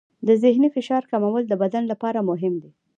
د ذهني فشار کمول د بدن لپاره مهم دي.